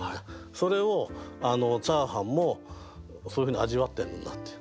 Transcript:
それをチャーハンもそういうふうに味わってるんだっていう。